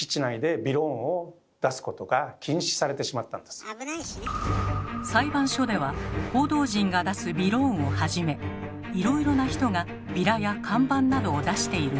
でも裁判所では報道陣が出すびろーんをはじめいろいろな人がビラや看板などを出している状況。